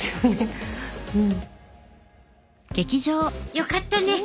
よかったね！